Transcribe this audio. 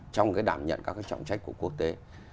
trong cái đảm nhận các cái trọng trách của quốc tế